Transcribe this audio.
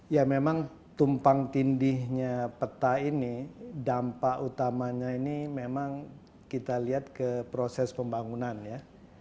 ya memang tumpang tindihnya peta ini dampak utamanya ini memang kita lihat ke proses pembangunan ya